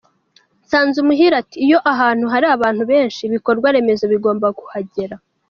Nsanzumuhire ati"Iyo ahantu hari abantu benshi ibikorwa remezo bigomba kuhagera.